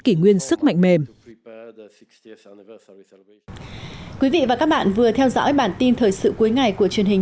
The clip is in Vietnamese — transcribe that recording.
kỷ nguyên sức mạnh mềm quý vị và các bạn vừa theo dõi bản tin thời sự cuối ngày của truyền hình